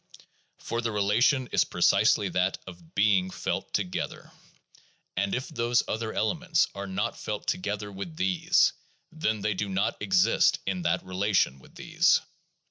For the relation is precisely that of being felt together; and if those other elements are not felt to gether with these, then they do not exist in that relation with these.